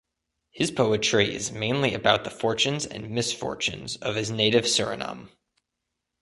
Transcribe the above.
His poetry is mainly about the fortunes and misfortunes of his native Suriname.